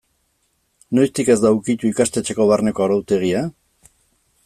Noiztik ez da ukitu ikastetxeko barneko arautegia?